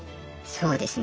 そうですね。